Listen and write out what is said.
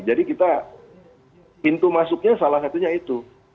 jadi kita pintu masuknya salah satunya itu